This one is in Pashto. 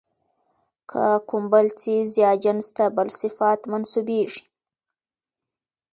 که کوم څيز ىا جنس ته بل صفت منسوبېږي،